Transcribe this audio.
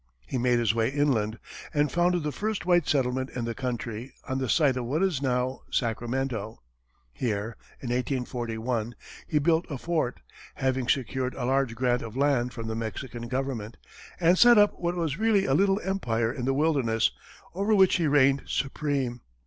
He made his way inland, and founded the first white settlement in the country on the site of what is now Sacramento. Here, in 1841, he built a fort, having secured a large grant of land from the Mexican Government, and set up what was really a little empire in the wilderness, over which he reigned supreme.